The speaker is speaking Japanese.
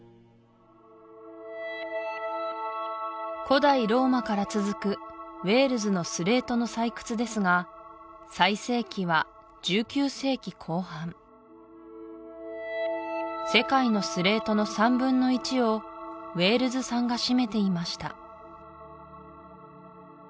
古代ローマから続くウェールズのスレートの採掘ですが最盛期は１９世紀後半世界のスレートの３分の１をウェールズ産が占めていました